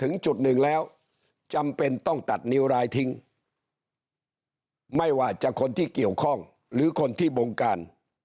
ถึงจุดหนึ่งแล้วจำเป็นต้องตัดนิ้วร้ายทิ้งไม่ว่าจะคนที่เกี่ยวข้องหรือคนที่บงการ